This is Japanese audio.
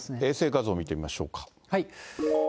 衛星画像見てみましょうか。